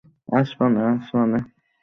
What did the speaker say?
ওর প্রতি আমাদের কোন আগ্রহ নেই, আকর্ষণও নেই।